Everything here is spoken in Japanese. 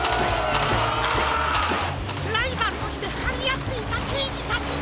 ライバルとしてはりあっていたけいじたちが！